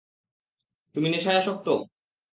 তুমি নেশায় আসক্ত?